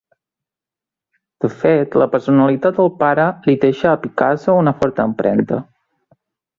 De fet, la personalitat del pare li deixa a Picasso una forta empremta.